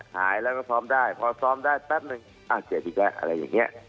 หายแล้วก็ซ้อมได้พอซ้อมได้แป๊บนึงอ้าวเจ็บอีกแล้วอะไรอย่างนี้